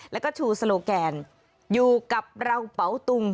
แล้วก็ชูสโลแกนอยู่กับเราเป๋าตุง